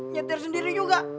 nyetir sendiri juga